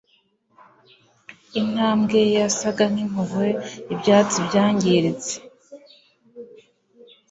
Intambwe ye yasaga nkimpuhwe ibyatsi byangiritse